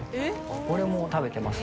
これも食べてます